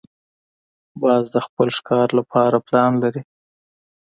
باز د خپل ښکار لپاره پلان لري